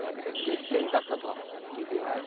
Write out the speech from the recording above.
激戦だったと聞いています。